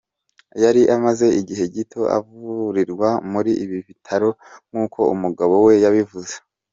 Yari amaze igihe gito avurirwa muri ibi bitaro nk’uko umugabo we yabivuze.